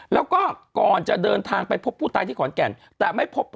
แล้วก็ก่อนจะเดินทางไปพบผู้ตายที่ขอนแก่นแต่ไม่พบร่องรอยแต่อย่างใดนะฮะ